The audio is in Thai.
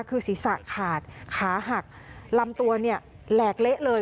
คือศีรษะขาดขาหักลำตัวเนี่ยแหลกเละเลย